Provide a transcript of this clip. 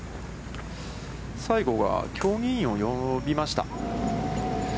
西郷が、競技委員を呼びました。